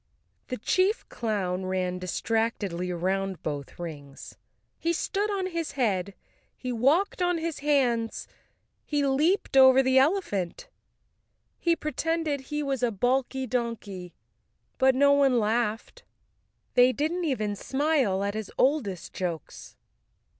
The chief clown ran distractedly around both rings. He stood on his head, he walked on his hands, he leaped over the elephant, he pretended he was a balky donkey. But no one laughed. They didn't even smile at his oldest jokes.